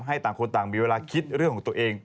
ต่างคนต่างมีเวลาคิดเรื่องของตัวเอง